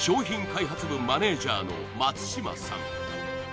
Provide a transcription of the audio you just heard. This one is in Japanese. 開発部マネージャーの松島さん